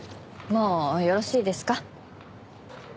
もうよろしいですか？